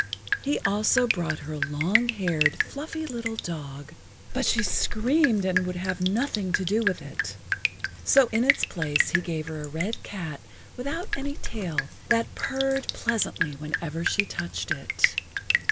He also brought her a long haired, fluffy little dog, but she screamed and would have nothing to do with it, so in its place he gave her a red cat without any tail that purred pleasantly whenever she touched it.